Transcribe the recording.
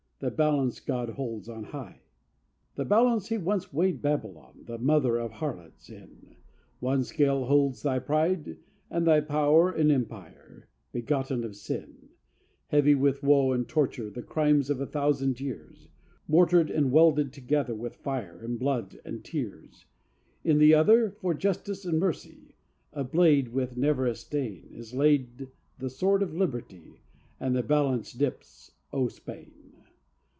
the balance God holds on high!" The balance he once weighed Babylon, the Mother of Harlots, in: One scale holds thy pride and thy power and empire, begotten of sin; Heavy with woe and torture, the crimes of a thousand years, Mortared and welded together with fire and blood and tears: In the other, for justice and mercy, a blade with never a stain, Is laid the Sword of Liberty, and the balance dips, O Spain!